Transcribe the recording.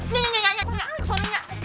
nih nih nih soalnya ales soalnya